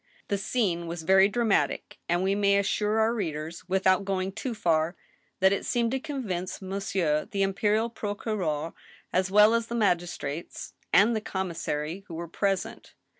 The scene was very dramatic, and we may assure our readers, without going too far, that it seemed to convince monsieur the vm^txvsiX procuretir as well as the magistrates and the commis* sary who were present.